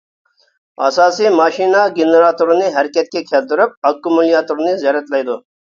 ئاساسىي ماشىنا گېنېراتورنى ھەرىكەتكە كەلتۈرۈپ، ئاككۇمۇلياتورنى زەرەتلەيدۇ.